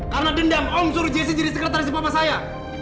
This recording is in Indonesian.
karena dendam om suruh jesse jadi sekretaris di papa saya